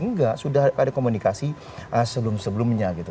enggak sudah ada komunikasi sebelum sebelumnya gitu